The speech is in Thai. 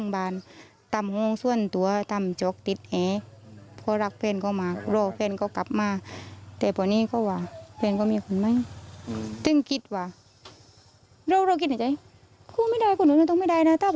บอกว่ามีคนใหม่อยู่นะ